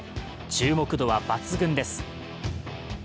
注目度は抜群です。